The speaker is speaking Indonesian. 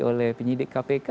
oleh penyidik kpk